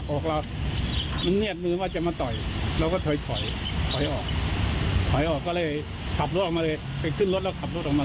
ตี๓โอ๊ะนี้เพียงจะมาเจ็บตังค์แล้วเหรอพูดอย่างนี้